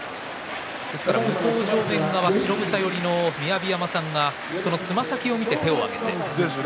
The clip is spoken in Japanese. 向正面側、白房寄りの雅山さんがそのつま先を見て手を上げました。